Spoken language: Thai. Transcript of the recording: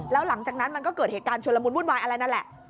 แล้วหลังจากนั้นมันก็เกิดเหตุการณ์ชวนละมุนวุ่นวายอะไรนั่นแหละ